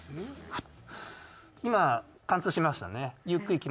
今、貫通しましたね。